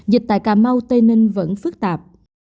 dịch tại cà mau tây ninh vẫn phức tạp